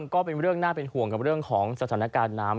ก็เป็นเรื่องน่าเป็นห่วงกับเรื่องของสถานการณ์น้ำ